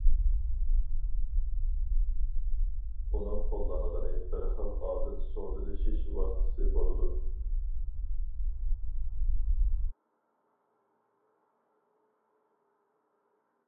ئۇنىڭ قوللانغىنى بىر خىل ئادىل سودىلىشىش ۋاسىتىسى بولىدۇ.